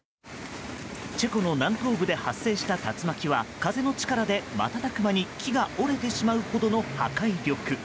チェコの南東部で発生した竜巻は風の力で瞬く間に木が折れてしまうほどの破壊力。